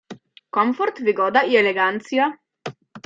"Komfort, wygoda i elegancja..."